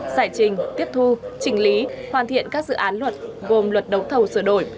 giải trình tiết thu chỉnh lý hoàn thiện các dự án luật gồm luật đấu thầu sửa đổi